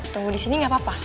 tunggu disini gak apa apa